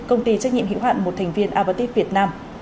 công ty trách nhiệm hữu hạn một thành viên avatit việt nam